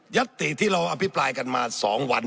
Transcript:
ัตติที่เราอภิปรายกันมา๒วัน